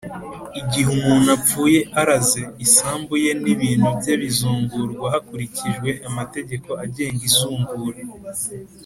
igihe umuntu apfuye araze, isambu ye n’ibintu bye bizungurwa hakurikijwe amategeko agenga izungura.